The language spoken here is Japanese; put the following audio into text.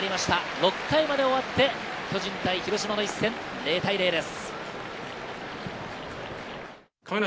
６回まで終わって巨人対広島の一戦、０対０です。